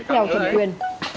theo thẩm quyền